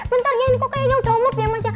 bentar ya ini kok kayaknya udah omob ya mas ya